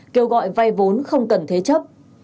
kêu gọi vay vốn không cần thế chấp